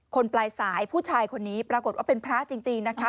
ปลายสายผู้ชายคนนี้ปรากฏว่าเป็นพระจริงนะคะ